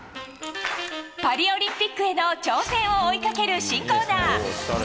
パリオリンピックへの挑戦を追いかける新コーナー。